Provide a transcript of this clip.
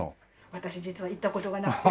私実は行った事がなくて。